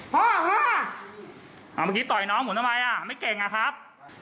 พ่อเมื่อกี้ต่อยน้องผมทำไมอ่ะไม่เก่งอะครับ